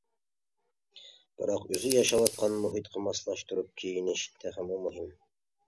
بىراق، ئۆزى ياشاۋاتقان مۇھىتقا ماسلاشتۇرۇپ كىيىنىش تېخىمۇ مۇھىم.